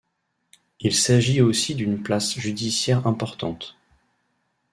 Il s'agit aussi d'une place judiciaire importante.